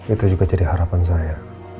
itu juga jadi harapan saya